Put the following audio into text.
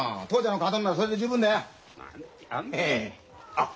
あっ！